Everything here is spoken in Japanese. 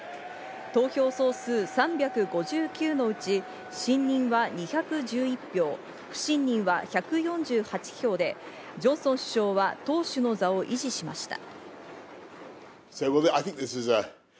投票総数３５９のうち信任は２１１票、不信任は１４８票でジョンソン首相は党首の座を維持しました。